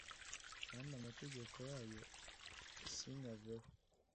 Kandi amategeko yayo sinyaveho